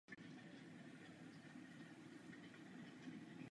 V mládežnických kategoriích hrál za Spartak Choceň a Spartak Hradec Králové.